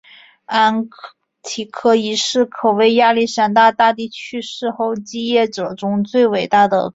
安提柯一世可谓亚历山大大帝去世后继业者中最伟大的军事家。